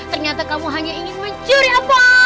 ternyata kamu hanya ingin mencuri apa